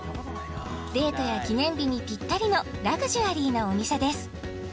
デートや記念日にぴったりのラグジュアリーなお店です